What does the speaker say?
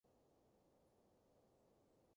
柴米油鹽醬醋茶